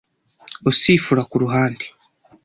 usifura ku ruhande